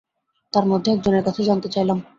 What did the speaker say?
তাঁর মধ্যে একজনের কাছে জানতে চাইলাম।